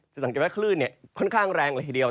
สังเกตว่าคลื่นค่อนข้างแรงเลยทีเดียว